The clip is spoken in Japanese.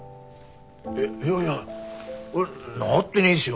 えっいやいやこれ直ってねえしよ